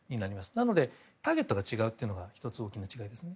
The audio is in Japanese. なので、ターゲットが違うというのが大きな違いですね。